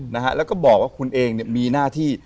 นะฮะแล้วก็บอกว่าคุณเองเนี่ยมีหน้าที่